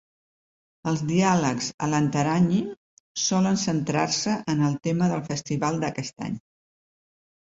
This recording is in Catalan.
Els diàlegs a l'Antaragni solen centrar-se en el tema del festival d'aquest any.